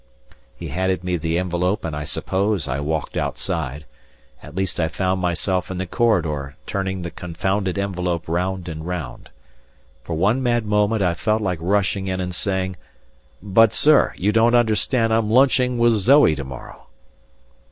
He handed me the envelope and I suppose I walked outside at least I found myself in the corridor turning the confounded envelope round and round. For one mad moment I felt like rushing in and saying: "But, sir, you don't understand I'm lunching with Zoe to morrow!"